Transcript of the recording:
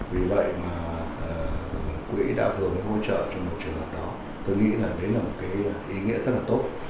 vì vậy mà quỹ đã vừa mới hỗ trợ cho một trường hợp đó tôi nghĩ là đấy là một cái ý nghĩa rất là tốt